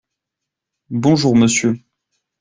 Bonjour monsieur.